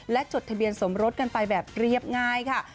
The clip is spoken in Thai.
และจดทะเบียนสมรสกันไปแบบเรียบง่ายค่ะ